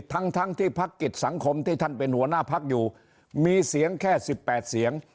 ทั้งทั้งที่พักกิจสังคมที่ท่านเป็นหัวหน้าพักอยู่มีเสียงแค่๑๘เสียง